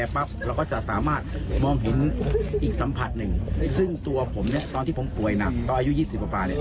ผมก็จะเจอลักษณะนี้